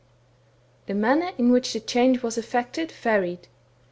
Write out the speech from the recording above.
The manner in which the change was eflfected, varied.